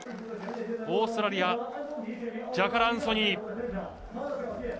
オーストラリアジャカラ・アンソニー。